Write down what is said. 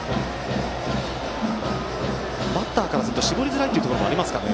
バッターからすると絞りづらいところもありますかね。